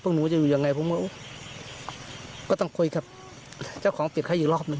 หนูจะอยู่ยังไงผมก็ต้องคุยกับเจ้าของปิดให้อีกรอบหนึ่ง